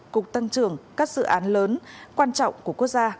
cục tăng trưởng các dự án lớn quan trọng của quốc gia